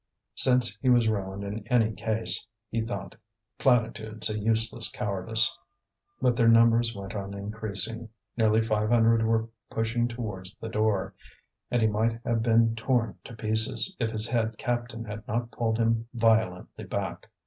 Since he was ruined in any case, he thought platitudes a useless cowardice. But their numbers went on increasing; nearly five hundred were pushing towards the door, and he might have been torn to pieces if his head captain had not pulled him violently back.